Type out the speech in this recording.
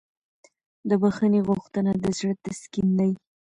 د بښنې غوښتنه د زړه تسکین دی.